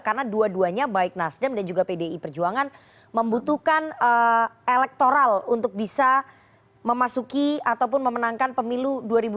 karena dua duanya baik nasdem dan juga pdi perjuangan membutuhkan elektoral untuk bisa memasuki ataupun memenangkan pemilu dua ribu dua puluh empat